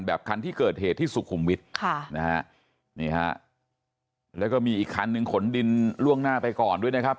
คันที่เกิดเหตุที่สุขุมวิทย์ค่ะนะฮะนี่ฮะแล้วก็มีอีกคันหนึ่งขนดินล่วงหน้าไปก่อนด้วยนะครับ